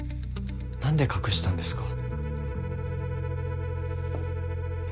何で隠したんですか？